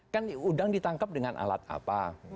kan udang ditangkap dengan alat apa